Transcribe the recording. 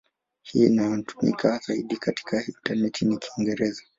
Hii inayotumika zaidi katika intaneti ni Kiingereza.